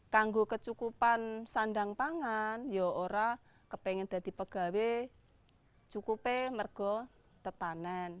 karena kecukupan sandang pangan ya orang yang ingin jadi pegawai cukup karena tertanam